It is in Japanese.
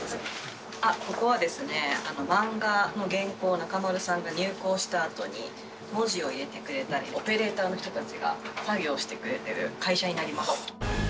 ここはですね、漫画の原稿を中丸さんが入稿したあとに、文字を入れてくれたり、オペレーターの人たちが作業してくれてる会社になります。